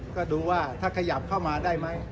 ก็ดูว่าถ้าขยับเข้ามาได้ไหม